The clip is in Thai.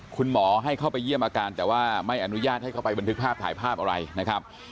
คุณหมอให้เข้าไปเยี่ยมอาการแต่ว่าไม่อนุญาตให้เข้าไปบันทึกภาพถ่ายภาพอะไรนะครับ